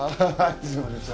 こんにちは。